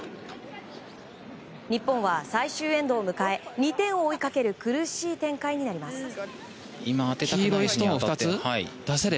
日本は最終エンドを迎え２点を追いかける苦しい展開になります。